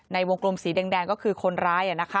ในวงกลมสีแดงก็คือคนร้าย